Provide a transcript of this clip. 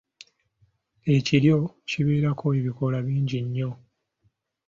Ekiryo kibeerako ebikoola bingi nnyo.